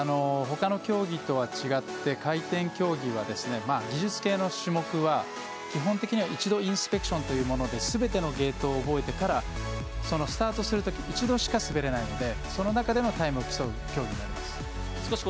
ほかの競技とは違って回転競技は技術系の種目は、基本的には一度インスペクションというものですべてのゲートを覚えてからスタートするとき一度しか滑れないのでその中でのタイムを競う競技になります。